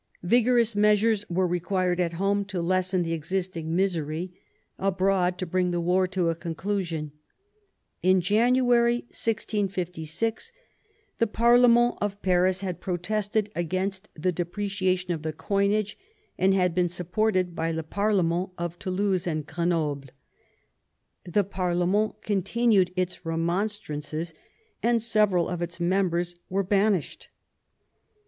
Vigorous measures were required at home to lessen the existing misery ; abroad, to bring the war to a conclusion. In January 1656 the parlement of Paris had protested against the depreciation of the coinage, and had been supported by the pa/rlements of Toulouse and Grenoble. The parlement continued its remonstrances, and several of its members were banished.